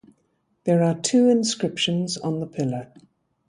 There are two inscriptions on the pillar.